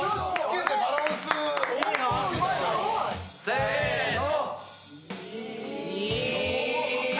せの。